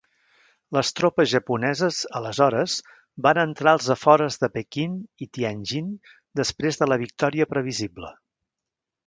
Les tropes japoneses aleshores van entrar als afores de Pequín i Tianjin després de la victòria previsible.